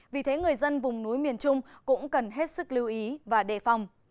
vì thế người dân vùng núi miền trung cũng cần hết sức lưu ý và đề phòng